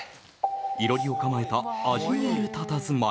囲炉裏を構えた味のあるたたずまい。